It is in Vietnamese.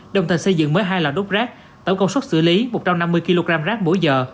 đồng thời xây dựng mới hai lò đốt rác tổng công suất xử lý một trăm năm mươi kg rác mỗi giờ